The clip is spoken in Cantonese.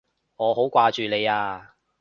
我好掛住你啊！